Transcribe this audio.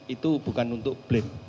itu bukan untuk blame